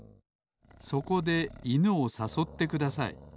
そこでいぬをさそってください